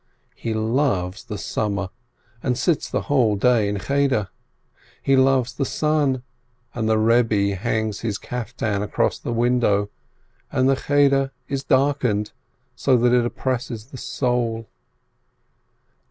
He loves the summer, and sits the whole day in Cheder. He loves the sun, and the Rebbe hangs his caftan across the window, and the Cheder is darkened, so that it oppresses the soul.